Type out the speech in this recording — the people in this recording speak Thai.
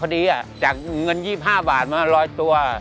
วันนี้ลูกแขกพอดีจากเงิน๒๕บาทมา๑๐๐ตัว